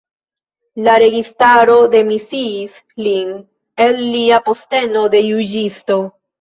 La registaro demisiis lin el lia posteno de juĝisto.